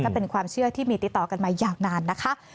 เป็นความเชื่อที่มีติดต่อกันมายาวนานนะคะ